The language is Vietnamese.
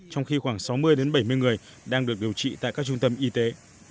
trong khi khoảng sáu mươi bảy mươi người đang được điều trị tại các trung tâm y tế